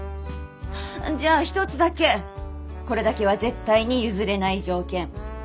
じゃあ一つだけこれだけは絶対に譲れない条件。